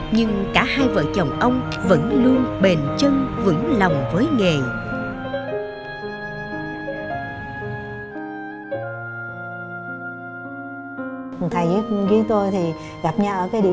nhưng cả hai vợ chồng ông vẫn luôn bền chân vững lòng với nghề